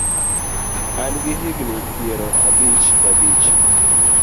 An gi higni piero abiriyo gabich.